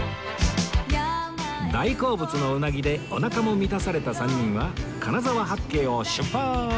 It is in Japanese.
大好物の鰻でおなかも満たされた３人は金沢八景を出発！